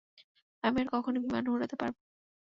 আমি আর কখনোই বিমান উড়াতে পারবো না।